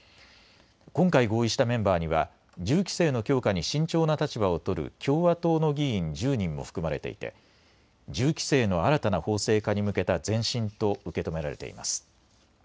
今回合意したメンバーには銃規制の強化に慎重な立場を取る共和党の議員１０人も含まれていて銃規制の新たな法制化に向けた前進と受け止められています。